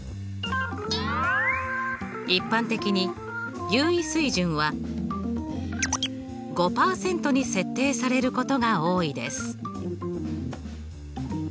一般的に有意水準は５％に設定されることが多いです。